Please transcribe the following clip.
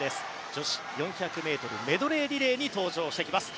女子４００ｍメドレーリレーに登場してきます。